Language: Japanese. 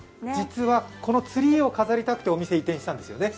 このツリーを飾りたくてお店移転したんですよね。